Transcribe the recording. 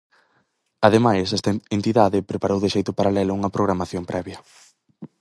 Ademais, esta entidade preparou de xeito paralelo unha programación previa.